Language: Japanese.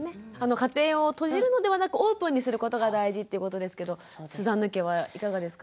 家庭を閉じるのではなくオープンにすることが大事ということですけどスザンヌ家はいかがですか？